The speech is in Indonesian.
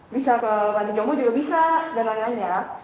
bisa ke lantai jomblo juga bisa dan lain lain ya